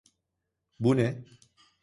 Bu ne?